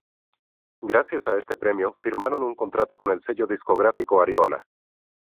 Gracias a este premio firmaron un contrato con el sello discográfico Ariola.